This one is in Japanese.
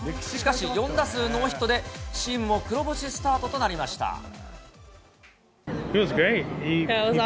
しかし４打数ノーヒットでチームも黒星スタートとなりました。